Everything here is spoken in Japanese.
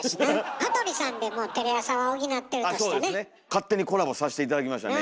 勝手にコラボさして頂きましたね